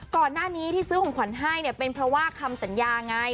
ก่อนหน้านี้ที่ซื้อของขวัญให้เนี่ยเป็นเพราะว่าคำสัญญาไง